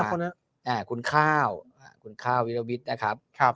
คนนั้นคุณข้าวคุณข้าววิรวิทย์นะครับ